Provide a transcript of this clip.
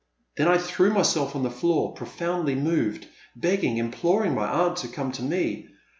Then I threw myself on the floor, profoundly moved, begging, imploring my aunt to come to me.